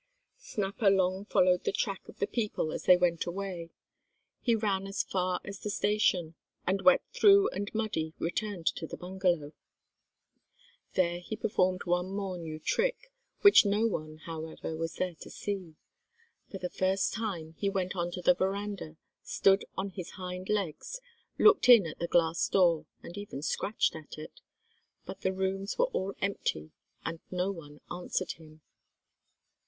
Snapper long followed the track of the people as they went away, he ran as far as the station, and wet through and muddy, returned to the bungalow. There he performed one more new trick, which no one, however, was there to see. For the first time he went on to the verandah, stood on his hind legs, looked in at the glass door, and even scratched at it. But the rooms were all empty, and no one answered him.